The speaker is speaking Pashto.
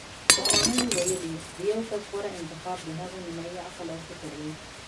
پخوانیو ویلي: د یو کس غوره انتخاب د هغه نیمايي عقل او فکر دی